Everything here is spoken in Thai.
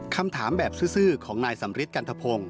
คำถามแบบซื้อของนายสำริทกันทะพงศ